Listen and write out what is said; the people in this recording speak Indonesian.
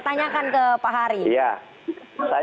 tanyakan ke pak hari